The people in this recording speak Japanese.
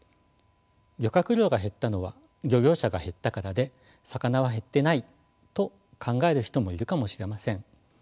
漁獲量が減ったのは漁業者が減ったからで魚は減ってないと考える人もいるかもしれません。